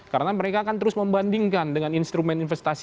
karena mereka akan terus membandingkan dengan instrumen investasi